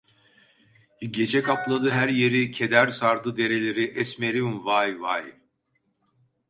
Gece kapladı her yeri, keder sardı dereleri, esmerim vay vay.